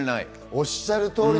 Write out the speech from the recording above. おっしゃる通り。